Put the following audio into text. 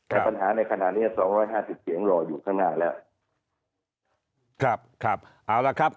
แต่ปัญหาในขณะนี้๒๕๐เจียงรออยู่ข้างหน้าแล้ว